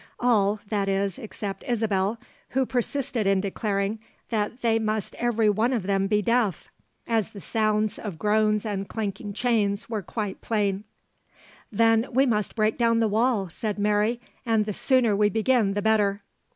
All, that is except Isabelle, who persisted in declaring that they must every one of them be deaf, as the sounds of groans and clanking chains were quite plain. 'Then we must break down the wall,' said Mary, 'and the sooner we begin the better.'